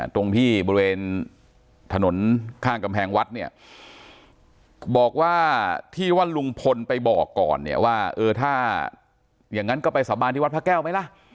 ตรงที่บริเวณถนนข้างกำแพงวัดเนี่ยบอกว่าที่ว่าลุงพลไปบอกก่อนเนี่ยว่าเออถ้าอย่างนั้นก็ไปสาบานที่วัดพระแก้วไหมล่ะ